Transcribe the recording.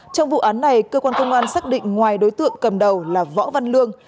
trong vụ án này cơ quan công an xác định ngoài đối tượng cầm đầu là võ văn lương